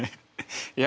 いや